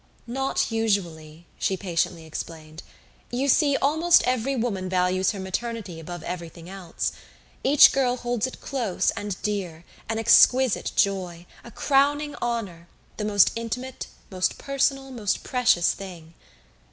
"Not usually," she patiently explained. "You see, almost every woman values her maternity above everything else. Each girl holds it close and dear, an exquisite joy, a crowning honor, the most intimate, most personal, most precious thing.